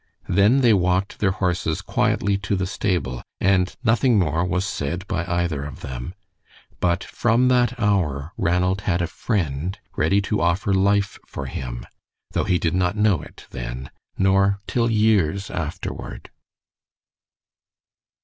Then they walked their horses quietly to the stable, and nothing more was said by either of them; but from that hour Ranald had a friend ready to offer life for him, though he did not know it then nor till years afterward.